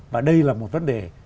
và đây là một vấn đề